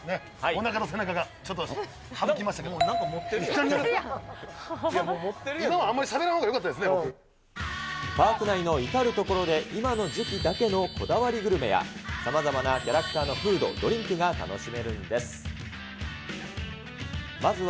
今はしゃべらんほうがよかっパーク内の至る所で今の時期だけのこだわりグルメや、さまざまなキャラクターのフード、ドリンクが楽しめるんです。